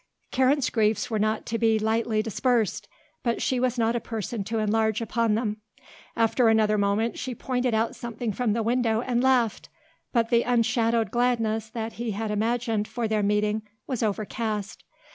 Karen's griefs were not to be lightly dispersed. But she was not a person to enlarge upon them. After another moment she pointed out something from the window and laughed; but the unshadowed gladness that he had imagined for their meeting was overcast.